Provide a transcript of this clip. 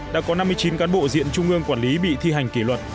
đã có năm mươi chín cán bộ diện trung ương quản lý bị thi hành kỷ luật